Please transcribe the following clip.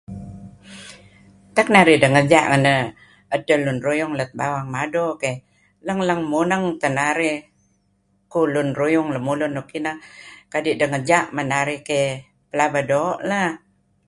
Utak narih dengeja' ngen edtah lun ruyung narih ... [rest of the audio has disappeared]